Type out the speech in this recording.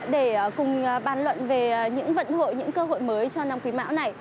để cùng bàn luận về những vận hội những cơ hội mới cho năm quý mão này